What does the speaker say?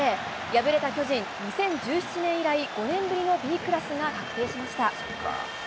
敗れた巨人、２０１７年以来５年ぶりのＢクラスが確定しました。